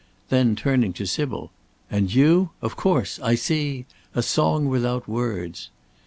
then, turning to Sybil "and you? Of course! I see! A song without words!"